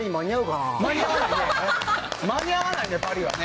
間に合わないね、パリはね。